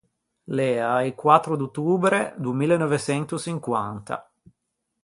L’ea i quattro d’ottobre do mille neuve çento çinquanta.